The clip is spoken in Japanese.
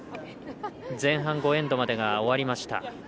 前半５エンドまでが終わりました。